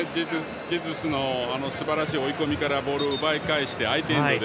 ジェズスのすばらしい追い込みからボールを奪い返して相手エンドで。